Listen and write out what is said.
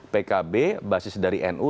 pkb basis dari nu